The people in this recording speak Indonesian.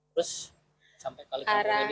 terus sampai kali